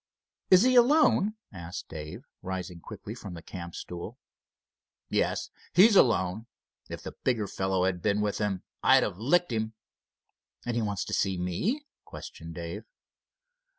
"Is he alone?" asked Dave, rising quickly from the camp stool. "Yes, he's alone. If the bigger fellow had been with him I'd have licked him." "And he wants to see me?" questioned Dave.